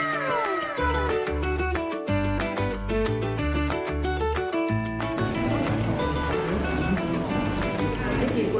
วายสุด